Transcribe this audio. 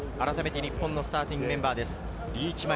日本のスターティングメンバーです。